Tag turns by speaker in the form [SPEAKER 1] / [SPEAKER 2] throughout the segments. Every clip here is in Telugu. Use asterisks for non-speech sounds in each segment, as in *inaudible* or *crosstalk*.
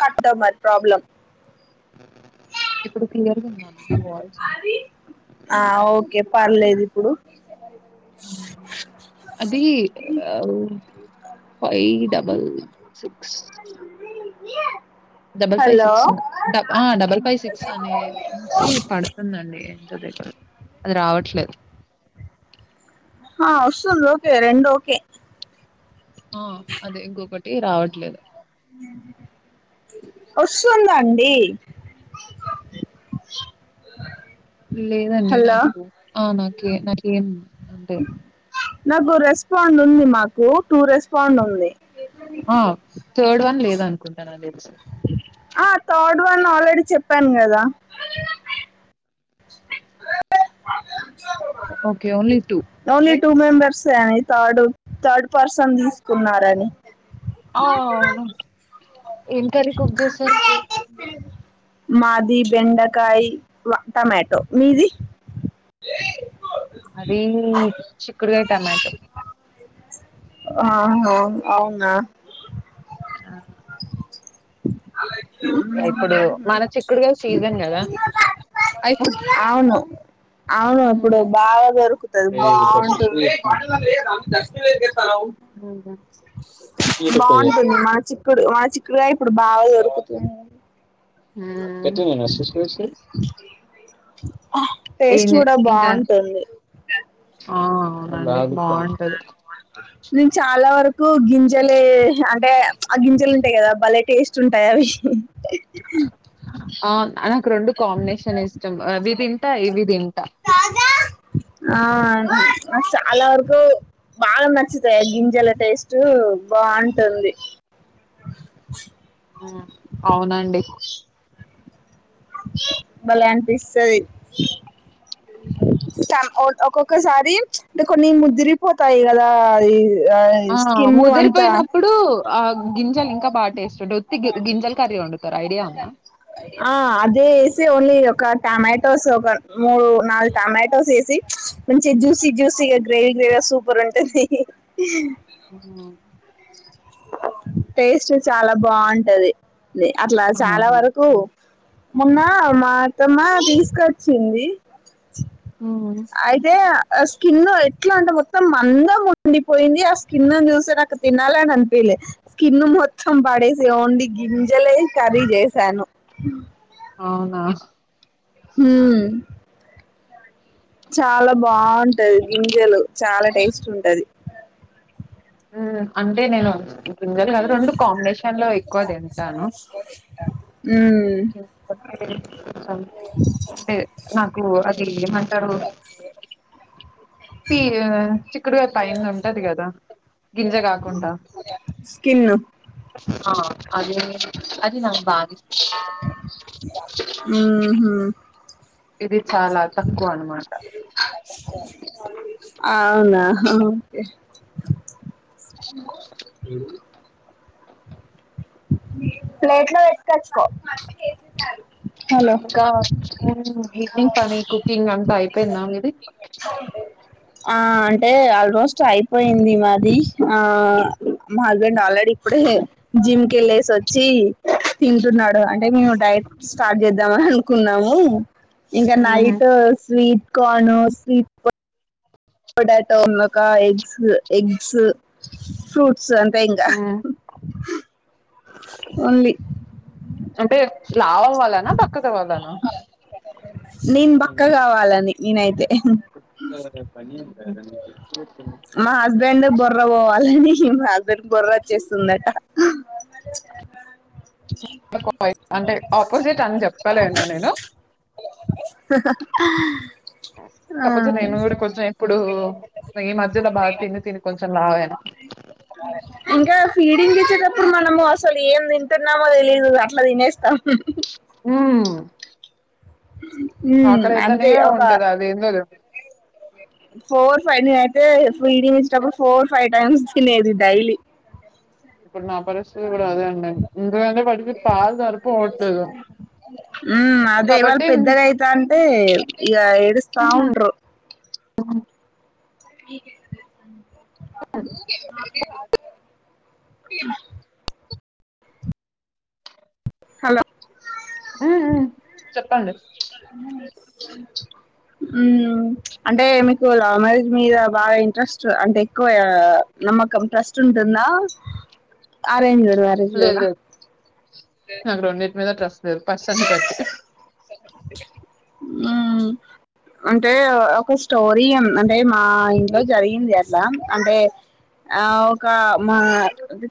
[SPEAKER 1] కస్టమర్ ప్రాబ్లం
[SPEAKER 2] ఇప్పుడు. క్లియర్‌గా ఉందా మీకు వాయిస్?
[SPEAKER 1] ఆ ఓకే పర్లేదు ఇప్పుడు
[SPEAKER 2] అది five double six
[SPEAKER 1] *inaudible*
[SPEAKER 2] double five
[SPEAKER 1] hello
[SPEAKER 2] six ఆ డబల్ ఫైవ్ సిక్స్ అనిసి పడుతుందండి అంతే అది రావట్లే
[SPEAKER 1] ఆ వస్తుంది ఓకే రెండూ ఓకే
[SPEAKER 2] ఆ అదే ఇంకొకటి రావట్లేదు.
[SPEAKER 1] వస్తుందండీ *unintelligible*
[SPEAKER 2] లేదండి
[SPEAKER 1] హలో
[SPEAKER 2] నాకు ఆ నాకే నాకేం అంటే
[SPEAKER 1] నాకు రెస్పాండ్ ఉంది మాకు టూ రెస్పాండ్ ఉంది.
[SPEAKER 2] ఆ థర్డ్ వన్ లేదను అనుకుంటాను నాకు తెలిసి.
[SPEAKER 1] ఆ థర్డ్ వన్ ఆల్రెడీ చెప్పాను కదా.
[SPEAKER 2] Okay, only
[SPEAKER 1] only
[SPEAKER 2] right?
[SPEAKER 1] Two మెంబర్సే అని థర్డ్ థర్డ్ పర్సన్ తీసుకున్నారని
[SPEAKER 2] ఔను. ఏం కర్రీ కుక్ చేసారు.
[SPEAKER 1] మాది బెండకాయ, టమాటో. మీది
[SPEAKER 2] అదీ చిక్కుడుగాయ టమాటో
[SPEAKER 1] ఆ అవునా
[SPEAKER 2] ఆ
[SPEAKER 1] అలా
[SPEAKER 2] ఇప్పుడు మన చిక్కుడుగాయ సీజన్ కదా అయిపోద్
[SPEAKER 1] అవును అవును ఇప్పుడు బాగా దొరుకుతది బాగుంటుంది
[SPEAKER 2] మ్మ్ హ్
[SPEAKER 1] బాగుంటుంది మన చిక్కుడు మన చిక్కుడుగాయ ఇప్పుడు బాగా దొరుకుతుంది
[SPEAKER 2] మ్మ్
[SPEAKER 1] టేస్ట్ కూడా బాగుంటుంది
[SPEAKER 2] ఆ బాగుంటది
[SPEAKER 1] నేను చాలా వరకు గింజలే అంటే ఆ గింజలు ఉంటాయి కదా భలే టేస్ట్ ఉంటాయి అవి
[SPEAKER 2] ఆ అనక్ రెండు కాంబినేషన్ ఇష్టం ఇవి తింటా ఇవి తింటా
[SPEAKER 1] ఆ చాలా వరకు బాగా నచ్చుతాయి గింజల టేస్ట్ బాగుంటుంది
[SPEAKER 2] అవునండి
[SPEAKER 1] భలే అనిపిస్తది
[SPEAKER 2] హ
[SPEAKER 1] ఒక్కొక్కసారి ప్చ్ అంటే కొన్ని ముదిరిపోతాయి కదా
[SPEAKER 2] ఆ
[SPEAKER 1] స్కిన్ అంతా
[SPEAKER 2] ముదిరిపోయినప్పుడు ఆ గింజలు ఇంకా బాగా టేస్ట్ ఒత్తి గింజలు కర్రీ వండుతారు ఐడియా వుందా
[SPEAKER 1] ఆ అదే వేసి ఓన్లీ ఒక టమాటోస్ ఒక మూడు నాలుగు టమాటోస్ వేసి మంచిగా జ్యూసీ జ్యూసీగా గ్రేవీ గ్రేవీగా సూపర్ ఉంటది
[SPEAKER 2] ఆ
[SPEAKER 1] టేస్ట్ చాలా బాగుంటది అట్లా చాలా
[SPEAKER 2] అవునా
[SPEAKER 1] వరకు మొన్న మా అత్తమ్మ తీసుకొచ్చింది
[SPEAKER 2] హ్మ్
[SPEAKER 1] అయితే స్కిన్ ఎట్లా అంటే మొత్తం మందం ఉండిపోయింది ఆ స్కిన్ చూసి నాకు తినాలి అని అనిపించలేదు స్కిన్ మొత్తం పడేసి ఓన్లీ గింజలే కర్రీ చేసాను
[SPEAKER 2] అవునా
[SPEAKER 1] మ్మ్ హ్ చాలా బాగుంటది గింజలు చాలా టేస్ట్ ఉంటది
[SPEAKER 2] అంటే నేను గింజలు కదా రెండు కాంబినేషన్ లో ఎక్కువ తింటాను
[SPEAKER 1] హ్మ్
[SPEAKER 2] కొంచెం అంటే నాకు అది ఏమంటారు పియు చిక్కుడుగాయ పైన ఉంటది కదా గింజ కాకుండా
[SPEAKER 1] స్కిన్
[SPEAKER 2] ఆ అదే అది నాకు బాగా ఇష్టం
[SPEAKER 1] మ్మ్, హ్మ్ హు
[SPEAKER 2] ఇది చాలా తక్కువ అన్నమాట
[SPEAKER 1] అవునా ఆ ఓకే అ ప్లేట్ లో పెట్టుకచ్చుకో హలో
[SPEAKER 2] ఇంకా ఈవినింగ్ పని కుకింగ్ అంతా అయిపోయిందా మిది
[SPEAKER 1] కాలే ఆ అంటే ఆల్మోస్ట్ అయిపోయింది మాది ఆ మా హస్బెండ్ ఆల్రెడీ ఇప్పుడే జిమ్కి వెళ్లేసి వచ్చి తింటున్నాడు అంటే మేము డైట్ స్టార్ట్ చేద్దామని అనుకున్నాము ఇంకా
[SPEAKER 2] ఉహు
[SPEAKER 1] night sweet corn sweet potato ఇంగొక ఎగ్స్ ఎగ్స్ ఫ్రూట్ స్ అంతే ఇంగా
[SPEAKER 2] అంటే లావు అవ్వాలనా బక్కగా అవ్వాళన
[SPEAKER 1] నేను బక్కగ అవ్వాలని నేనైతే మా హస్బెండ్ బొర్ర పోవాలని మా హస్బెండ్ బొర్ర వచ్చేస్తుందట *unintelligible*
[SPEAKER 2] *unintelligible* అంటే ఆపోజిట్ అని చెప్పలేను నేను
[SPEAKER 1] ఆ
[SPEAKER 2] ఓ ఈ మధ్యలో బాగా తిని తిని కొంచెం లావు అయినా
[SPEAKER 1] ఇంకా ఫీడింగ్ ఇచ్చేట ప్పుడు మనము అసలు ఏం తింటున్నామో తెలీదు అట్ల తినేస్తాం
[SPEAKER 2] హ్మ్
[SPEAKER 1] ఉమ్
[SPEAKER 2] ఆకలి అయితనే
[SPEAKER 1] అంతే ఒక
[SPEAKER 2] ఉంటది అది ఎందోలే
[SPEAKER 1] four five *unintelligible* four five times తినేది డైలీ
[SPEAKER 2] ఇప్పుడు నా పరిస్థితి కూడా అదే అండి ఎందుకంటే వాడికి పాలు సరిపోవట్లేదు
[SPEAKER 1] ఉమ్ అదే వాళ్ళు
[SPEAKER 2] కాబట్టి ఉమ్,
[SPEAKER 1] పెద్దగా అయితాంటే ఇగ ఏడుస్తా ఉంట్రు
[SPEAKER 2] అహ్
[SPEAKER 1] మీకు ఎట్ట తెలుసు అండి *unintelligible* హలో
[SPEAKER 2] ఉమ్ హుహు చెప్పండి
[SPEAKER 1] లంచ్ మ్మ్ ప్చ్ అంటే మీకు లవ్ మ్యారేజ్ మీద బాగా ఇంట్రెస్ట్ అంటే ఎక్కువయిగ నమ్మకం ట్రస్ట్ ఉంటుందా అరేంజ్డ్ మ్యారేజే
[SPEAKER 2] లేదు
[SPEAKER 1] నా
[SPEAKER 2] లేదు నాకు రెండింటి మీద ట్రస్ట్ లేదు పర్సన్ని బట్టి
[SPEAKER 1] మ్మ్ అంటే ఒక స్టోరీ అంటే మా ఇంట్లో జరిగింది అట్లా అంటే ఆ ఒక మా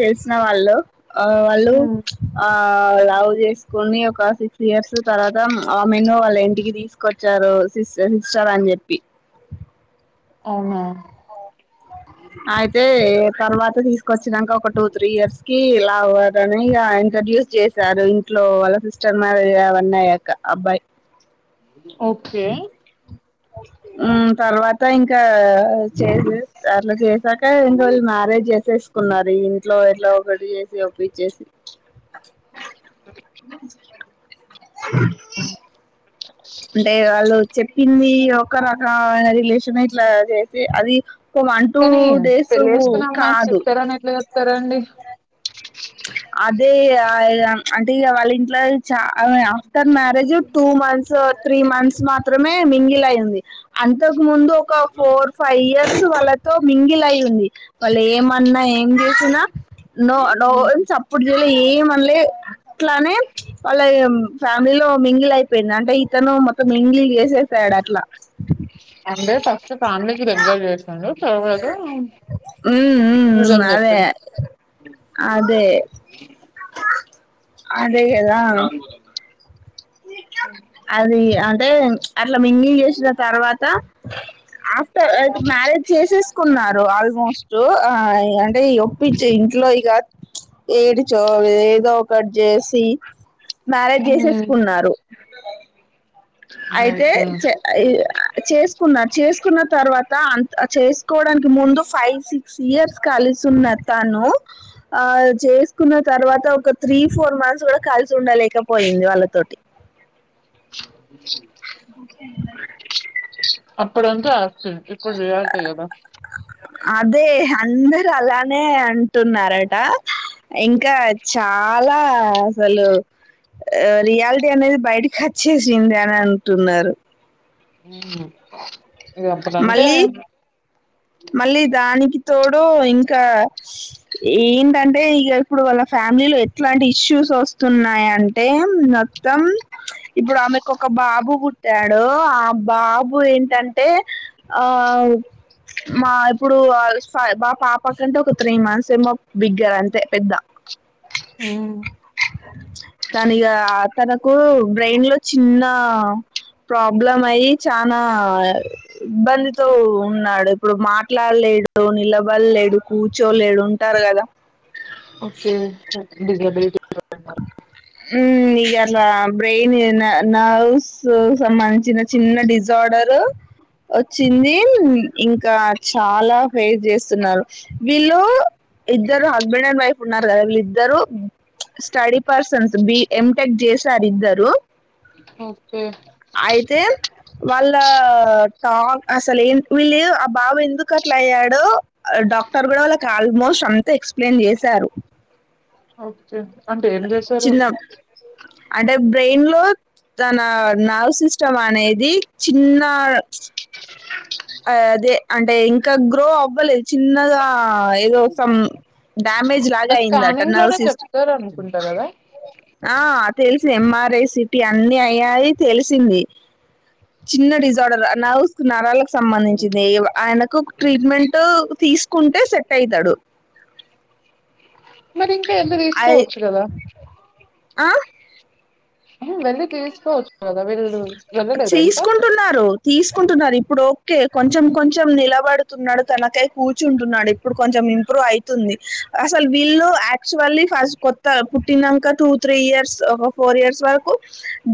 [SPEAKER 1] తెలిసిన వాళ్ళు ఆ వాళ్ళు
[SPEAKER 2] ఉమ్,
[SPEAKER 1] ప్చ్ ఆ ఆ లవ్ జేసుకొని ఒ క సిక్స్ ఇయర్స్ తర్వాత ఆమెను వాళ్ళ ఇంటికి తీసుకొచ్చారు సిస్ సిస్టర్ అని జెప్పి
[SPEAKER 2] అవునా
[SPEAKER 1] అయితే తర్వాత తీసు కొచ్చినాంక ఒక టూ త్రీ ఇయర్స్ కి ఇలా అవ్వదని ఇగ ఇంట్రొడ్యూస్ చేశారు ఇంట్లో వాళ్ళ సిస్టర్ మ్యారేజ్ అవన్నీ అయ్యాక అబ్బాయ్
[SPEAKER 2] ఓకే
[SPEAKER 1] ఉమ్ తర్వాత ఇం కా చేసేస్ అట్లా చేసాక ఇంకవోళ్ళు మ్యారేజ్ చేసేసుకున్నారు ఇంట్లో ఎట్లో ఒకటి చేసి ఒప్పిచ్చేసి అంటే వాళ్ళు చెప్పింది ఒక రకమైన రిలేషన్ ఇట్లా చేసి అది ఒక వన్ టూ
[SPEAKER 2] కానీ
[SPEAKER 1] డేసు
[SPEAKER 2] పెళ్లి చేసుకున్న అమ్మాయికి
[SPEAKER 1] కాదు
[SPEAKER 2] సిస్టర్ అని ఎట్లా చెప్తారండి
[SPEAKER 1] అదే ఆ ఇగ అంటే ఇగ వాళ్ళ ఇంట్లో చ after marriage two months three months మాత్రమే మింగిల్ అయ్యింది అంతకు ముందు ఒక ఫోర్ ఫైవ్ ఇయర్స్ వాళ్ళతో మింగిల్ అయ్యి ఉంది. వాళ్ళు ఏమన్నా ఏం చేసినా నో నో
[SPEAKER 2] ఉమ్,
[SPEAKER 1] చప్పుడు చెయ్యలే ఏం అన్లే అట్లానే ప్చ్ వాళ్ళయేం ఫ్యామిలీలో మింగిల్ అయిపోయింది అంటే ఇతను మొత్తం *unintelligible* చేసే
[SPEAKER 2] అంటే ఫస్ట్ ఫ్యామిలీకి రెగ్లర్ చేస్తుండు తర్వాత
[SPEAKER 1] ఉమ్ ఉమ్
[SPEAKER 2] ఇదని
[SPEAKER 1] అదే
[SPEAKER 2] చెప్పిండు
[SPEAKER 1] అదే అదే కదా అది అంటే అట్లా మింగిల్ చేసిన తర్వాత మ్యారేజ్ చేసేసుకున్నారు ఆల్మోస్ట్ అంటే ఒప్పించే ఇంట్లో ఇక ఏడు చో ఏదో ఒకటి చేసి మ్యారేజ్ చేసే రు అయితే
[SPEAKER 2] ఓకే
[SPEAKER 1] *unintelligible* చేసుకున్నారు చేసుకున్న తర్వాత అంత చేసుకోడానికి ముందు ఫైవ్ సిక్స్ ఇయర్స్ కలిసి సున్న తను ఆ చేసుకున్న తర్వాత ఒక త్రీ ఫోర్ మంత్స్ కలిసి సుండలేక పోయింది వాళ్ళతోటి
[SPEAKER 2] అప్పుడంత ఇప్పుడు చెయ్యాలని అనిపియదు కదా
[SPEAKER 1] అదే అందరు అలానే అంటున్నారట ఇంకా చాలా అసలు ఆ రియాలిటీ అనేది బయటకి వచ్చేసింది అని అంటున్నారు
[SPEAKER 2] హ్మ్
[SPEAKER 1] మళ్లీ మళ్లీ దానికి తోడు ఇంకా ఏంటంటే ఇక ఇప్పుడు వాళ్ళ ఫ్యామిలీ లో ఎట్లాంటి ఇష్యూస్ వస్త తున్నాయింటే మొత్తం ఇప్పుడు ఆమెకు ఒక బాబు పు ట్టాడు ఆ బాబు ఏంటంటే ఆ మా ఇప్పుడు బా పాప కంటే ఒక త్రీ మంత్స్ ఏమో బిగ్గర్ అంతే పెద్ద
[SPEAKER 2] ఉమ్,
[SPEAKER 1] దాన్నిక తన కు బ్రెయిన్ లో చిన్న ప్రాబ్లం అయి చానా ఇబ్బందితో ఉన్నాడు ఇప్పుడు మాట్లాడలేడు నిలబడలేడు కూర్చోలేడు ఉంటారు కదా
[SPEAKER 2] ఓకే
[SPEAKER 1] హ్మ్ ఇగల బ్రెయిన్ న నర్వ్స్ సంబంధించిన చిన్న డిజార్డరు వచ్చింది ఇంకా చాలా ఫైర్ చేస్తున్నారు వీళ్ళు ఇద్దరు హస్బెండ్ అండ్ వైఫ్ ఉన్నారు కదా వీళ్ళి ఇద్దరు study persons B M tech జేసారు ఇద్దరు
[SPEAKER 2] ఓకే
[SPEAKER 1] అయితే వాళ్ళ అసలే ఏంటి వీళ్ళు ఆ బాబు ఎందుకు అట్లా అయ్యాడో డాక్టర్ కూడా వాళ్ళకి ఆల్మోస్ట్ అంత ఎక్స్ప్లెయిన్ చేశారు
[SPEAKER 2] ఓకే అంటే ఏం చేశారు
[SPEAKER 1] చిన్న అంటే బ్రెయిన్ లో తన నర్వ్ సిస్టమ్ అనేది చిన్న అదే అంటే ఇంకా గ్రో అవ్వలేదు చిన్నగా ఏదో సం డ్యామేజ్ లాగా అయిందట
[SPEAKER 2] స్కానింగ్ లోనే
[SPEAKER 1] నర్వస్ సిస్టమ్
[SPEAKER 2] చెప్తారు అనుకుంటా కదా
[SPEAKER 1] తెలిసి ఎంఆర్ఐ సిటీ అన్ని అయ్యాయి తెలిసింది చిన్న డిజార్డర నర్వస్ నరాలకు సంబంధించింది ఆయనకు ట్రీట్మెంట్ తీసుకుంటే సెట్ అయితాడు
[SPEAKER 2] మరి ఇంకా ఎందుకు
[SPEAKER 1] ఐ
[SPEAKER 2] తీసుకోవచ్చు కదా
[SPEAKER 1] ఆ
[SPEAKER 2] వెళ్ళి తీసుకోవచ్చు కదా వీళ్ళు వెళ్ళలేదా ఇంకా
[SPEAKER 1] తీసుకుంటున్నారు తీసుకుంటున్నారు ఇప్పుడు ఓకే కొంచెం కొంచెం నిలబడుతున్నాడు తనకై కూర్చుంటున్నాడు ఇప్పుడు కొంచెం ఇంప్రూవ్ అయితుంది అసలు వీళ్ళు యాక్చువల్లీ ఫస్ట్ కొత్త పుట్టినాక టూ త్రీ ఇయర్స్ ఒక ఫోర్ ఇయర్స్ వరకు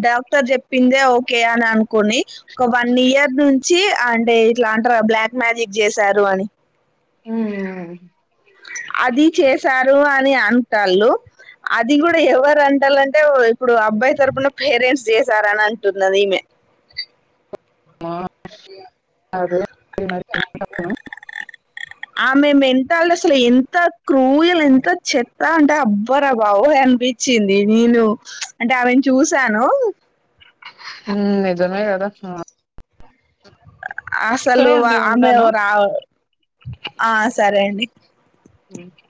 [SPEAKER 1] డాక్టర్ చెప్ చెప్పిందే ఓకే అని అనుకుని ఒక వన్ ఇయర్ నుంచి అంటే ఇట్లాంట బ్లాక్ మ్యాజిక్ చేశారు అని
[SPEAKER 2] అ
[SPEAKER 1] అది చేసారు అని అంటళ్ళు అది కూడా ఎవరు అంటాలంటే ఇప్పుడు అబ్బాయి తరపున పేరెంట్స్ చేసారని అంటున్నది ఈమె
[SPEAKER 2] టుక్ మరి.
[SPEAKER 1] అ
[SPEAKER 2] ఉమ్,
[SPEAKER 1] ఆమె మెంటల్ అసలు ఎమ్ ంత క్రూయలు ఎంత చెత్త అంటే అబ్బరా బావోయ్ అనిపించింది నేను అంటే వన్ చూసాను
[SPEAKER 2] నిజమే కదా
[SPEAKER 1] అసలు
[SPEAKER 2] సరే అండి
[SPEAKER 1] ఆమె
[SPEAKER 2] ఉంటాను
[SPEAKER 1] రా ఆ సరే అండి
[SPEAKER 2] ఏంటి